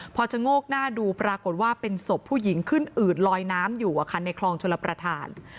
พอชะโงกหน้าดูปรากฏว่าเป็นศพผู้หญิงขึ้นอืดลอยน้ำอยู่ในคลองชลประธาน